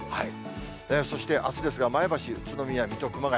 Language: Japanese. そしてあすですが、前橋、宇都宮、水戸、熊谷。